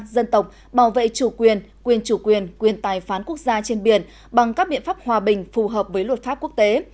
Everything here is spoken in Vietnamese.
dân tộc bảo vệ chủ quyền quyền chủ quyền quyền tài phán quốc gia trên biển bằng các biện pháp hòa bình phù hợp với luật pháp quốc tế